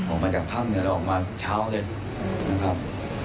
ออกมาจากถ้ำเนี่ยเราออกมาเช้าเลยนะครับ